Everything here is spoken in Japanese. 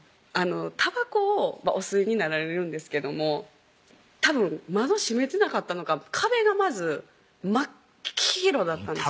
たばこをお吸いになられるんですけどもたぶん窓閉めてなかったのか壁がまず真っ黄色だったんです